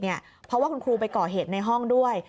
เพราะว่าคุณครูไปก่อเหตุในห้องด้วย